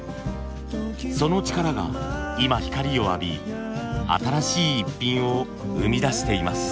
その力が今光を浴び新しいイッピンを生み出しています。